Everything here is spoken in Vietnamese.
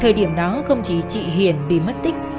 thời điểm đó không chỉ chị hiền bị mất tích